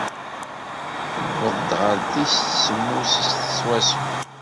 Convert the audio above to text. Tewweḍ-d ɣef tis semmuset swaswa.